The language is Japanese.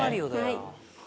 はい。